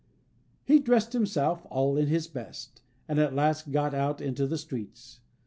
He dressed himself "all in his best," and at last got out into the streets.